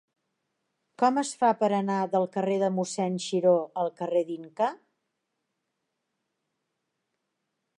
Com es fa per anar del carrer de Mossèn Xiró al carrer d'Inca?